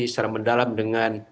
secara mendalam dengan